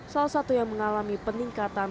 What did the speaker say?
salah satu yang mengalami peningkatan